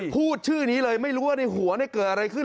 พูดชื่อนี้เลยไม่รู้ว่าในหัวเกิดอะไรขึ้น